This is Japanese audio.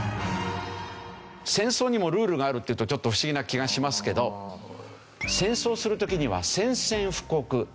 戦争にもルールがあるっていうとちょっと不思議な気がしますけど戦争する時には宣戦布告